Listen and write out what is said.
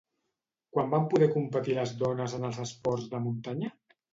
Quan van poder competir les dones en els esports de muntanya?